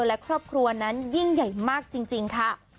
และครอบครัวนั้นยิ่งใหญ่มากจริงค่ะ